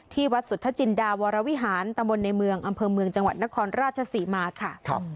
ที่วัดสุทธจินดาวรวิหารตะมนต์ในเมืองอำเภอเมืองจังหวัดนครราชศรีมาค่ะ